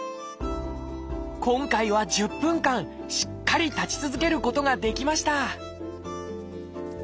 今回は１０分間しっかり立ち続けることができました。